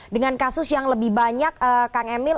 dengan kasus yang lebih banyak kang emil